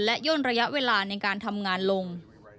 และย่นระยะเวลาในการทำงานลง